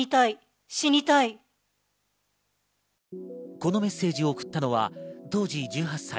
このメッセージを送ったのは当時１８歳。